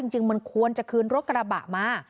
จริงมันควรจะคืนรถกระบะมา